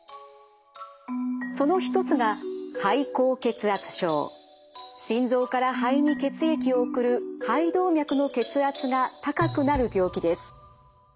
その一つが心臓から肺に血液を送る肺動脈の血圧が高くなる病気です。